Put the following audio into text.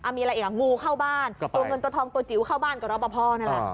มีอะไรอีกอ่ะงูเข้าบ้านตัวเงินตัวทองตัวจิ๋วเข้าบ้านกับรอปภนั่นแหละ